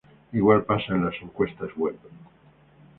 Igual pasa en las encuestas web.